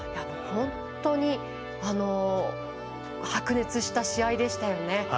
本当に白熱した試合でしたね。